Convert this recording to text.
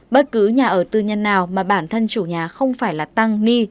bất cứ nhà ở tư nhân nào mà bản thân chủ nhà không phải là tăng ni